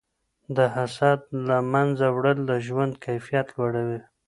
د حسد له منځه وړل د ژوند کیفیت لوړوي.